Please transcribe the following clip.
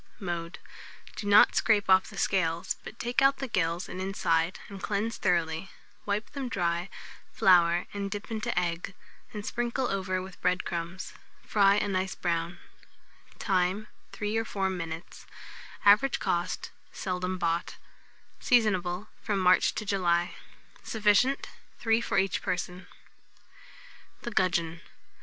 Mode. Do not scrape off the scales, but take out the gills and inside, and cleanse thoroughly; wipe them dry, flour and dip them into egg, and sprinkle over with bread crumbs. Fry of a nice brown. Time. 3 or 4 minutes. Average cost. Seldom bought. Seasonable from March to July. Sufficient, 3 for each person. [Illustration: THE GUDGEON.